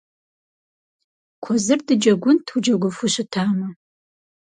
Куэзыр дыджэгунт, уджэгуфу щытамэ.